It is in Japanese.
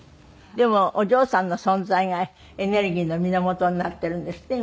でもお嬢さんの存在がエネルギーの源になっているんですって？